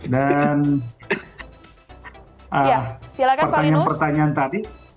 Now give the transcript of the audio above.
dan pertanyaan pertanyaan tadi